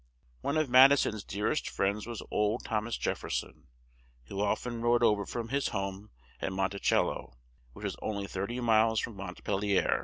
One of Mad i son's dear est friends was old Thom as Jef fer son, who oft en rode o ver from his home at Mon ti cel lo, which was on ly thir ty miles from Mont pel ier.